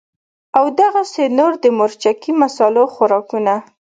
او دغسې نور د مرچکي مصالو خوراکونه